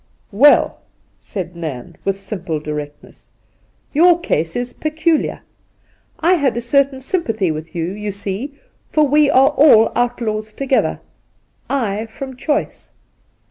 ' Well,' said Nairn, with simple directness, ' your case is peculiar. I had a certain sympathy with you, you see, for we are all outlaws together — I from choice